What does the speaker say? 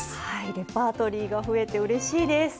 レパートリーが増えてうれしいです。